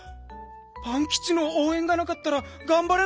パンキチのおうえんがなかったらがんばれなかった。